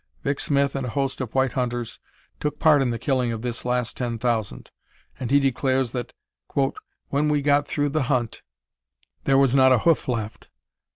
Vic. Smith and a host of white hunters took part in the killing of this last ten thousand, and he declares that "when we got through the hunt there was not a hoof left.